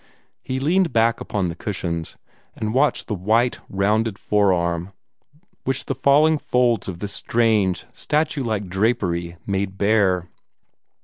He leaned back upon the cushions, and watched the white, rounded forearm which the falling folds of this strange, statue like drapery made bare.